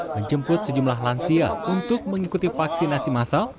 menjemput sejumlah lansia untuk mengikuti vaksinasi masal